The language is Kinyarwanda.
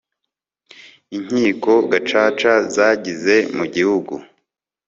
inkiko gacaca zagize mu gihugu